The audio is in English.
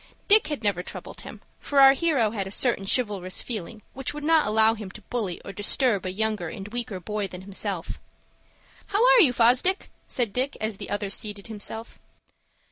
Dick had never troubled him; for our hero had a certain chivalrous feeling which would not allow him to bully or disturb a younger and weaker boy than himself. "How are you, Fosdick?" said Dick, as the other seated himself.